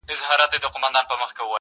په سپورږمۍ كي ستا تصوير دى.